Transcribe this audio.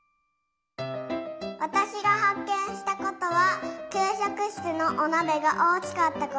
わたしがはっけんしたことはきゅうしょくしつのおなべがおおきかったことです。